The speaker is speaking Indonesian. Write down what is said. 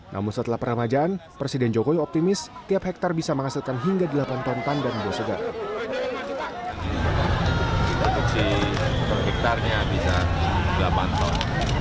namun setelah peramajaan presiden jokowi optimis tiap hektare bisa menghasilkan hingga delapan ton tandan buah segar